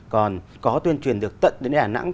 còn có tuyên truyền được tận đến đại hải nãng